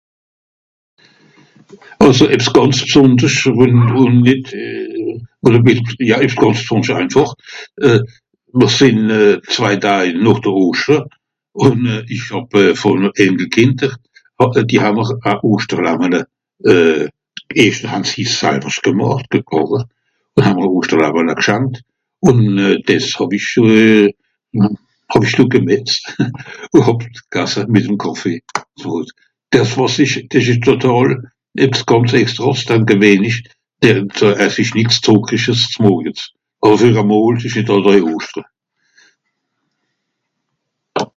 Àlso ebbs gànz bsùndersch ùn... ùn nìt (...) einfàch. Mr sìnn zwei Daj noch de Oschtre, ùn ìch hàb vùn Enkelkìnder, die ha mr e Oschterlamele, euh... (...) hàns sie's salwer gemàcht, voilà. Ha'mr e Oschterlammele gemàcht, ùn dìs hàw-ich euh... hàw-ich do (...). Ùn hop, gasse mìt'm Kàffee. Dàs wàs ìch... dìs ìsch totàl, ebbs gànz extra (...), dann es ìsch nìx (...) zmorjets. Àwer fer e mol s'ìsch (...) Oschtre.